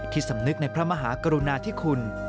สำนึกในพระมหากรุณาธิคุณ